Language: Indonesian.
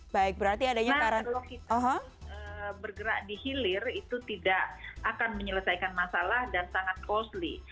baik berarti kalau kita bergerak di hilir itu tidak akan menyelesaikan masalah dan sangat costly